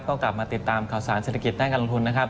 ก็กลับมาติดตามข่าวสารเศรษฐกิจด้านการลงทุนนะครับ